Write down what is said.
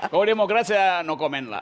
kalau demokrat saya no comment lah